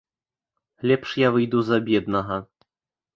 Лепш я выйду за беднага.